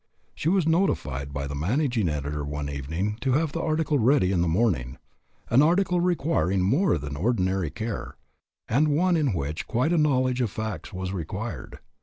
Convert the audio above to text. She was notified by the managing editor one evening to have the article ready in the morning, an article requiring more than ordinary care, and one in which quite a knowledge of facts was required.